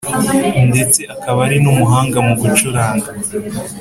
ndetse akaba ari n’umuhanga mu gucuranga